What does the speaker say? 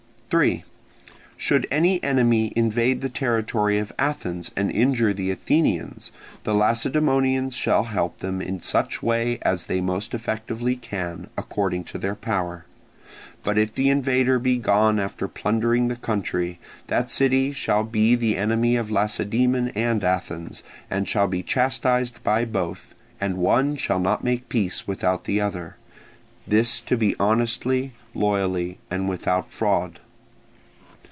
3. Should any enemy invade the territory of Athens and injure the Athenians, the Lacedaemonians shall help them in such way as they most effectively can, according to their power. But if the invader be gone after plundering the country, that city shall be the enemy of Lacedaemon and Athens, and shall be chastised by both, and one shall not make peace without the other. This to be honestly, loyally, and without fraud.